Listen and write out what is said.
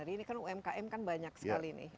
ini kan umkm kan banyak sekali nih